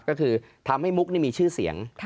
ก็คือทำให้มุกมีชื่อเสียง